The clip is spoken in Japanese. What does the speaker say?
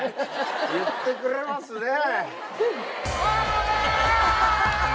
言ってくれますねぇ。